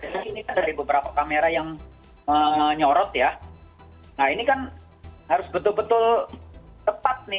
ini kan dari beberapa kamera yang menyorot ya nah ini kan harus betul betul tepat nih